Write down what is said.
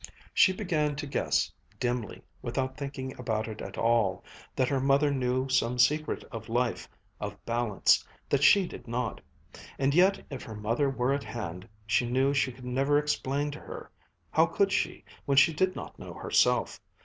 She began to guess dimly, without thinking about it at all, that her mother knew some secret of life, of balance, that she did not. And yet if her mother were at hand, she knew she could never explain to her how could she, when she did not know herself?